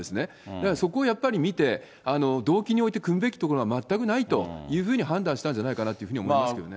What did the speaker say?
だからそこをやっぱり見て、動機においてくむべきところは全くないというふうに判断したんじゃないかなというふうに思いますけどね。